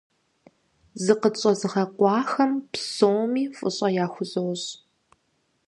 Зыкъытщӏэзыгъэкъуахэм псоми фӀыщӀэ яхузощӀ.